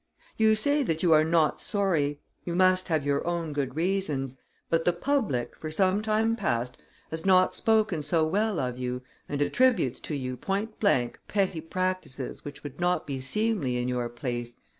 You say that you are not sorry; you must have your own good reasons, but the public, for some time past, has not spoken so well of you, and attributes to you point blank petty practices which would not be seemly in your place.